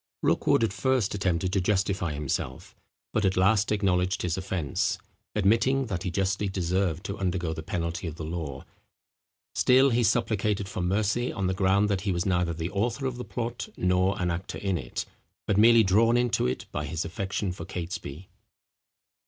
Rookwood at first attempted to justify himself, but at last acknowledged his offence, admitting that he justly deserved to undergo the penalty of the law; still he supplicated for mercy on the ground that he was neither the author of the plot nor an actor in it, but merely drawn into it by his affection for Catesby.